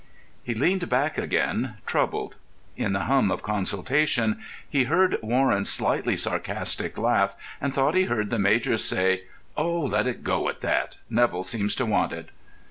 He leaned back again, troubled. In the hum of consultation he heard Warren's slightly sarcastic laugh, and thought he heard the major say: "Oh, let it go at that; Neville seems to want it."